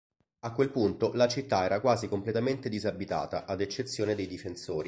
A quel punto la città era quasi completamente disabitata, ad eccezione dei difensori.